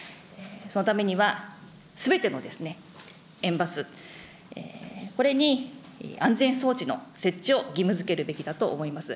そのためには、すべての園バス、これに安全装置の設置を義務づけるべきだと思います。